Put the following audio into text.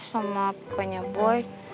sama pakenya boy